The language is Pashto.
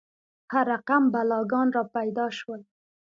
هر رقم بلاګان را پیدا شول.